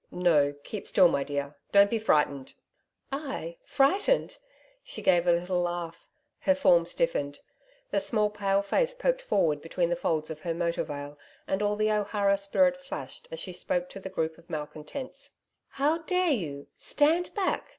'No. Keep still, my dear. Don't be frightened.' 'I frightened!' She gave a little laugh. Her form stiffened. The small pale face poked forward between the folds of her motor veil, and all the O'Hara spirit flashed as she spoke to the group of malcontents. 'How dare you! Stand back.